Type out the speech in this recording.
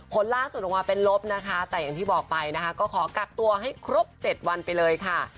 ผลล่าสุดที่เป็นลบนะคะแต่อย่างที่บอกไปก็กลับตัวให้ครบเจ็ดวันไปเลยค่ะ